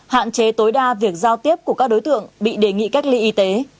hạn chế tối đa việc giao tiếp của các đối tượng bị đề nghị cách ly y tế